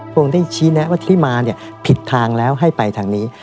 องค์ได้ชี้แนะว่าที่มาเนี่ยผิดทางแล้วให้ไปทางนี้